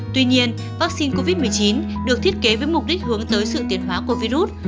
tuy nhiên vaccine covid một mươi chín được thiết kế với mục đích hướng tới sự tiến hóa của virus